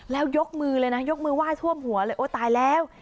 แล้วยกมือเลยนะยกมือไห้ท่วมหัวเลยโอ้ตายแล้ว